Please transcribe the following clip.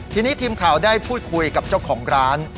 ทีนี้ทีมข่าวได้พูดคุยกับเจ้าของร้าน